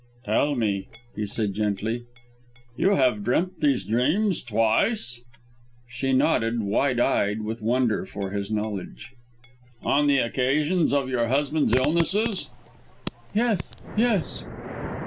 "Tell me," he said gently. "You have dreamt these dreams twice?" She nodded, wide eyed with wonder for his knowledge. "On the occasions of your husband's illnesses?" "Yes, yes!"